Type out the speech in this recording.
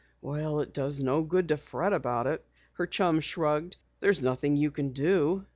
"Well, it does no good to fret about it," her chum shrugged. "There's nothing you can do."